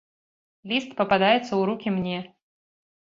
Ліст пападаецца ў рукі мне.